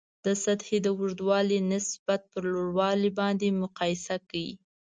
د سطحې د اوږدوالي نسبت پر لوړوالي باندې مقایسه کړئ.